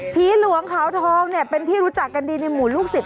หลวงขาวทองเนี่ยเป็นที่รู้จักกันดีในหมู่ลูกศิษย